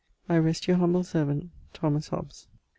I rest, your humble servant THO. HOBBES.